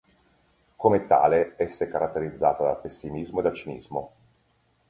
Come tale, essa è caratterizzata dal pessimismo e dal cinismo.